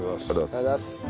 ありがとうございます。